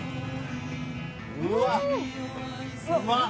うわっうまっ。